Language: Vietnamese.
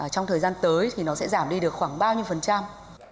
trong thời gian tới thì nó sẽ giảm đi được khoảng bao nhiêu phần trăm